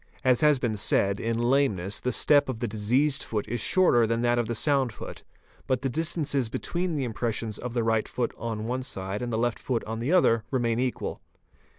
As has been said, in lameness, the step of the diseased foot is shorter than that of the sound foot, but the distances between the impressions of the right foot on one side and the left foot on the other remain equal.